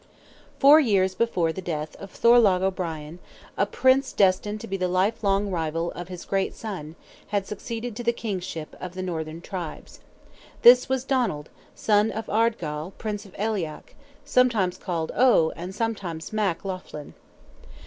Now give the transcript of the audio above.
Four years before the death of Thorlogh O'Brien, a Prince destined to be the life long rival of his great son, had succeeded to the kingship of the northern tribes. This was Donald, son of Ardgall, Prince of Aileach, sometimes called "O" and sometimes "Mac" Laughlin.